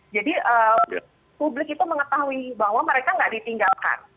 jadi publik itu mengetahui bahwa mereka tidak ditinggalkan